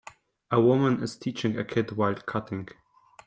A woman is teaching a kid while cutting.